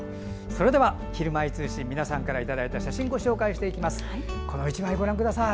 それでは「ひるまえ通信」皆さんからいただいた写真をご紹介します。